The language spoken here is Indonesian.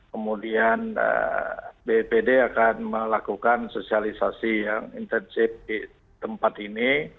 kemudian bpd akan melakukan sosialisasi yang intensif di tempat ini